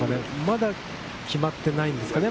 まだ決まってないですかね？